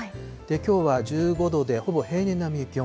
きょうは１５度でほぼ平年並みの気温。